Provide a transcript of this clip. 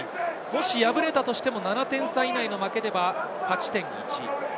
敗れたとしても７点差以内の負けであれば勝ち点１。